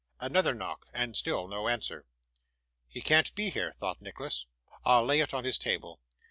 Another knock, and still no answer. 'He can't be here,' thought Nicholas. 'I'll lay it on his table.